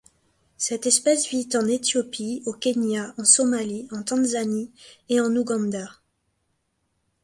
Cette espèce vit en Éthiopie, au Kenya, en Somalie, en Tanzanie et en Ouganda.